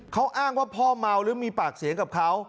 เขาอ้างว่าพ่อเมาหรือมีปากเสียงกับเขา